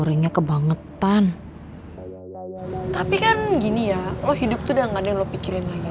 gue cabut dulu ya